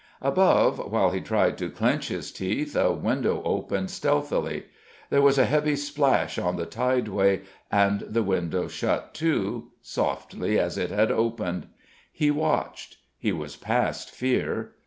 Above, while he tried to clench his teeth, a window opened stealthily. There was a heavy splash on the tideway, and the window shut to, softly as it had opened. He watched. He was past fear.